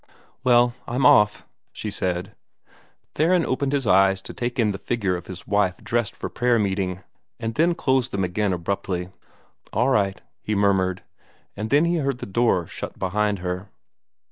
"Well, I'm off," she said. Theron opened his eyes to take in this figure of his wife dressed for prayer meeting, and then closed them again abruptly. "All right," he murmured, and then he heard the door shut behind her.